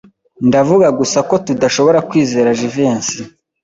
Ndavuga gusa ko tudashobora kwizera Jivency.